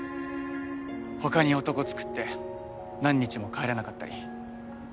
他に男作って何日も帰らなかったり。